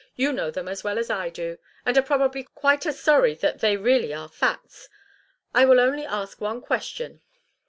You know them as well as I do, and are probably quite as sorry that they really are facts. I will only ask one question.